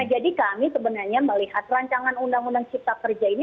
nah jadi kami sebenarnya melihat rancangan undang undang cipta kerja ini